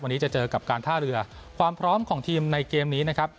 วันนี้จะเจอกับการท่าเรือความพร้อมของทีมในเกมนี้นะครับ